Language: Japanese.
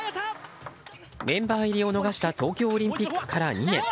メンバー入りを逃した東京オリンピックから２年。